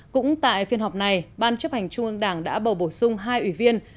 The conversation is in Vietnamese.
cũng tại phiên họp này ban chấp hành trung ương đảng đã bầu bổ sung hai ủy viên